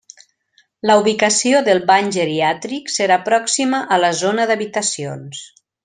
La ubicació del bany geriàtric serà pròxima a la zona d'habitacions.